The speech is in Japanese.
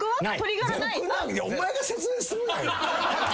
お前が説明するなよ！